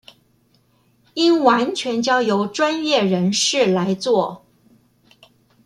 應完全交由專業人士來做